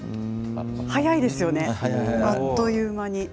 早いですよね、あっという間に。